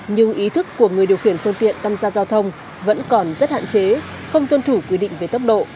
người tham gia giao thông vẫn còn rất hạn chế không tuân thủ quy định về tốc độ